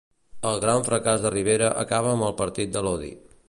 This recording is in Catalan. El gran fracàs de Rivera acaba amb el partit de l'odi.